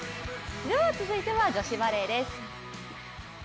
では続いては女子バレーです。